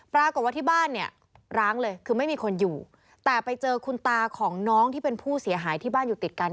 ปรากฏว่าที่บ้านเนี่ยร้างเลยคือไม่มีคนอยู่แต่ไปเจอคุณตาของน้องที่เป็นผู้เสียหายที่บ้านอยู่ติดกัน